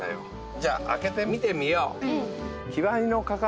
じゃあ開けて見てみよう